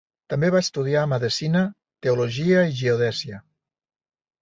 També va estudiar medicina, teologia i geodèsia.